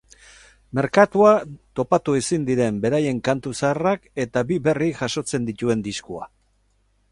Merkatuan topatu ezin diren beraien kantu zaharrak eta bi berri jasotzen dituen diskoa.